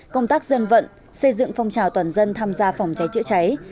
công tác dân vận xây dựng phòng trào toàn dân tham gia phòng trái trợ cháy